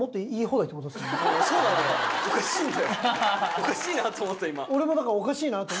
おかしいなと思った今。